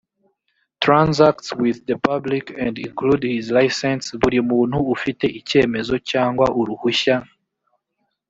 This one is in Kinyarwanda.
transacts with the public and include his license buri muntu ufite icyemezo cyangwa uruhushya